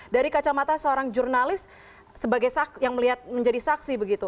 dari kacamata seorang jurnalis yang melihat menjadi saksi begitu